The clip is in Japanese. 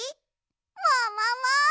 ももも！